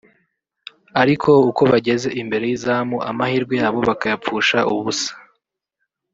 ariko uko bageze imbere y’izamu amahirwe yabo bakayapfusha ubusa